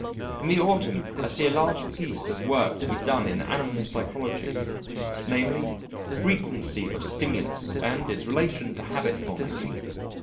In the autumn I see a large piece of work to be done in animal psychology namely, frequency of stimulus and its relation to habit formation.